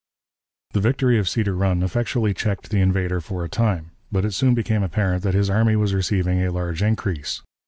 The victory of Cedar Run effectually checked the invader for the time; but it soon became apparent that his army was receiving a large increase.